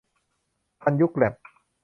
ทันยุคแลบ